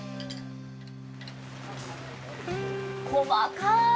細かい。